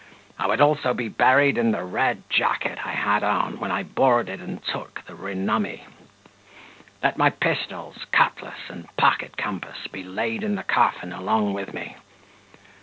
I would also be buried in the red jacket I had on when I boarded and took the Renummy. Let my pistols, cutlass, and pocket compass be laid in the coffin along with me.